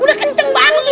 udah kenceng banget ustadz